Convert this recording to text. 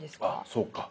そうか。